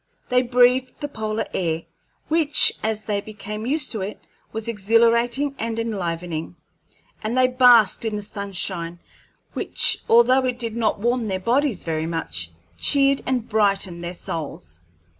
They breathed the polar air, which, as they became used to it, was exhilarating and enlivening, and they basked in the sunshine, which, although it did not warm their bodies very much, cheered and brightened their souls.